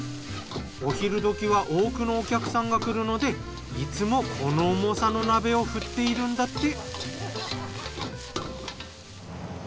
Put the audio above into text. お昼時は多くのお客さんが来るのでいつもこの重さの鍋を振っているんだって。